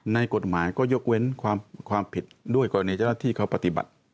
ในกฎหมายก็ยกเว้นความผิดด้วยกรณีเจ้าหน้าที่เขาปฏิบัติ